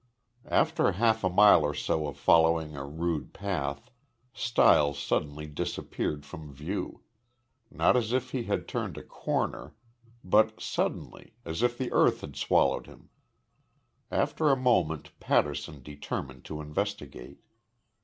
After half a mile or so of following a rude path, Stiles suddenly disappeared from view not as if he had turned a corner, but suddenly, as if the earth had swallowed him. After a moment Patterson determined to investigate.